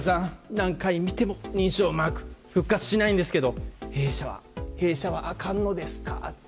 何回見ても認証マーク復活しないんですけど弊社は、弊社はあかんのですかと。